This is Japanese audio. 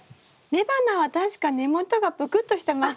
雌花は確か根元がぷくっとしてましたよね？